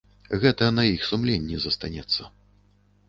Гэта на іх сумленні застанецца.